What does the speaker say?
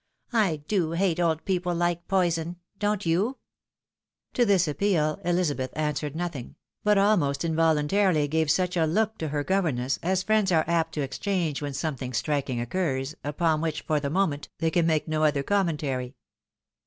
I do hate old people like poison — don't you ?" To this appeal, Elizabeth answered nothing; but almost involuntarily gave such a look to her governess, as friends are apt to exchange when something striking occurs, upon which, for the moment, they can make no other conmientary.